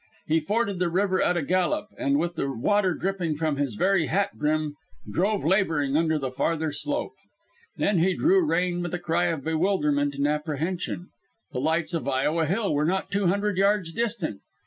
He forded the river at a gallop, and, with the water dripping from his very hat brim, drove labouring under the farther slope. Then he drew rein with a cry of bewilderment and apprehension. The lights of Iowa Hill were not two hundred yards distant.